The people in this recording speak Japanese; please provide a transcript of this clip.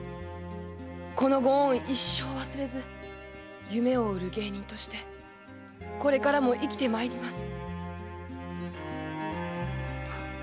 このご恩は一生忘れず夢を売る芸人としてこれからも生きてまいります。